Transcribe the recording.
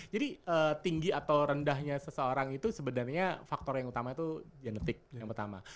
jadi tinggi atau rendahnya seseorang itu sebenernya faktor yang utama itu genetik yang pertama